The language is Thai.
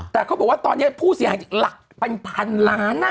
แต่เขาบอกว่าตอนนี้ผู้เสียหายหลักเป็นพันล้าน